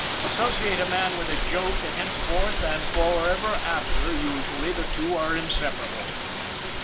Associate a man with a joke and hencefor ward and forever after, usually, the two are insepara ble.